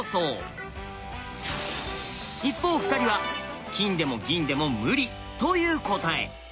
一方２人は金でも銀でも無理！という答え。